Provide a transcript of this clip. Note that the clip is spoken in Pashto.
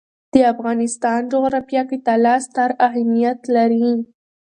د افغانستان جغرافیه کې طلا ستر اهمیت لري.